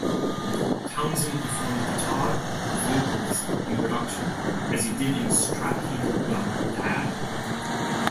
Townsend performed guitar, vocals, and production, as he did in Strapping Young Lad.